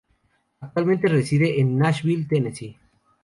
Actualmente reside en Nashville, Tennessee.